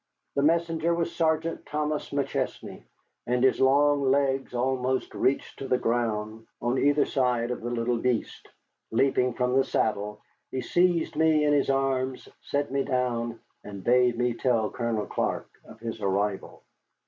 The messenger was Sergeant Thomas McChesney, and his long legs almost reached the ground on either side of the little beast. Leaping from the saddle, he seized me in his arms, set me down, and bade me tell Colonel Clark of his arrival.